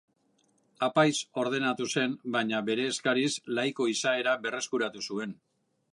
Apaiz ordenatu zen, baina bere eskariz laiko izaera berreskuratu zuen.